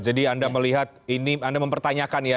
jadi anda melihat ini anda mempertanyakan ya